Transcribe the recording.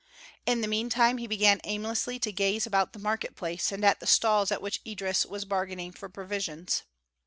In the meantime he began aimlessly to gaze about the market place and at the stalls at which Idris was bargaining for provisions.